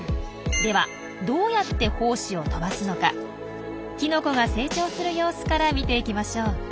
ではどうやって胞子を飛ばすのかキノコが成長する様子から見ていきましょう。